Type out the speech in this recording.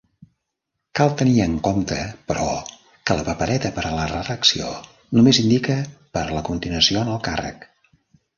Cal tenir en compte, però, que la papereta per a la reelecció només indica "per a la continuació en el càrrec".